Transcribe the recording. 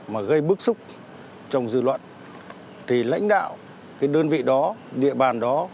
mà gây bức xúc trong dư luận thì lãnh đạo cái đơn vị đó địa bàn đó